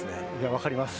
分かります。